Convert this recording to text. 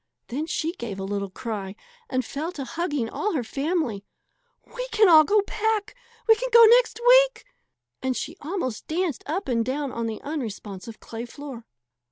Then she gave a little cry and fell to hugging all her family. "We can all go back we can go next week!" and she almost danced up and down on the unresponsive clay floor.